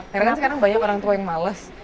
karena kan sekarang banyak orang tua yang males